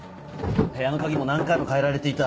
部屋の鍵も何回も替えられていた。